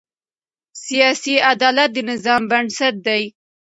سیاسي عدالت د نظام بنسټ دی